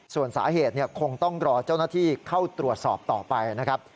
ส่วนสาเหตุคงต้องรอเจ้าหน้าที่เข้าตรวจสอบต่อไปนะครับ